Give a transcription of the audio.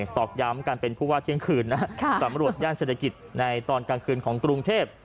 ตอกย้ำการเป็นผู้ว่าเที่ยงคืนนะสำรวจย่านเศรษฐกิจในตอนกลางคืนของกรุงเทพ